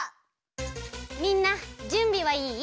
みんなじゅんびはいい？